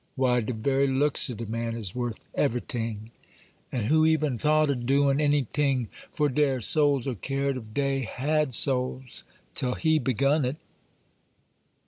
Why, de very looks of de man is worth everyting; and who ever thought o' doin' anyting for deir souls, or cared ef dey had souls, till he begun it?